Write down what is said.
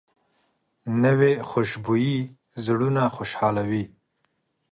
نوې خوشبويي زړونه خوشحالوي